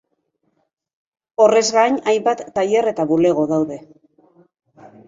Horrez gain, hainbat tailer eta bulego daude.